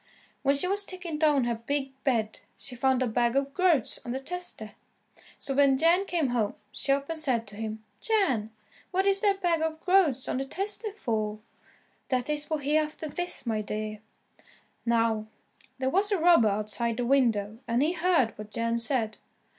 When she was taking down her big bed she found a bag of groats on the tester. So when Jan came home, she up and said to him, "Jan, what is that bag of groats on the tester for?" "That is for Hereafterthis, my dear." Now, there was a robber outside the window, and he heard what Jan said.